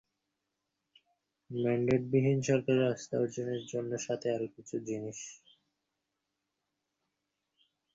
ম্যান্ডেটবিহীন সরকারের আস্থা অর্জনের হাতিয়ার হিসেবে অত্যন্ত গুরুত্বপূর্ণ কতিপয় এজেন্ডার কথা বলা হচ্ছে।